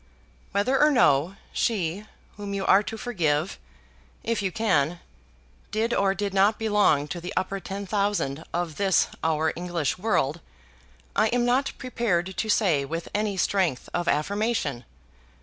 Whether or no, she, whom you are to forgive, if you can, did or did not belong to the Upper Ten Thousand of this our English world, I am not prepared to say with any strength of affirmation.